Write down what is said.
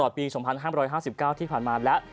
ตลอดปี๒๕๕๙ที่ผ่านมาแล้ว